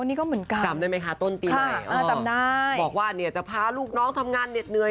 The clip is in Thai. นี่ก็เหมือนกันจำได้ไหมคะต้นปีไหนบอกว่าจะพาลูกน้องทำงานเหนื่อย